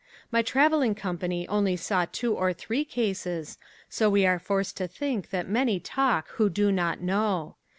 My traveling company only saw two or three cases so we are forced to think that many talk who do not know.